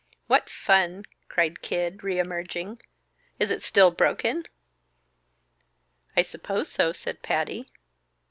"What fun!" cried Kid, reëmerging. "Is it still broken?" "I suppose so," said Patty.